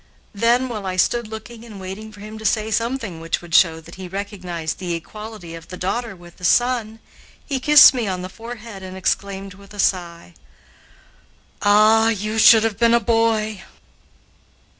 Then, while I stood looking and waiting for him to say something which would show that he recognized the equality of the daughter with the son, he kissed me on the forehead and exclaimed, with a sigh, "Ah, you should have been a boy!"